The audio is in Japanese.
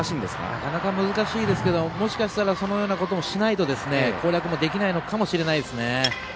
なかなか難しいですがもしかしたらそのようなこともしないと攻略できないのかもしれませんね。